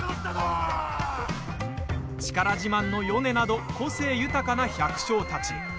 力自慢のヨネなど個性豊かな百姓たち。